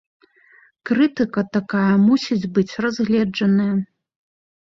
Крытыка такая мусіць быць разгледжаная.